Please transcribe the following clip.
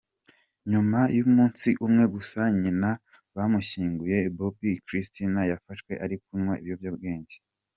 Nyuma y’umunsi umwe gusa nyina bamushyinguye, Bobbi Kristina yafashwe ari kunywa ibyobyabwenge.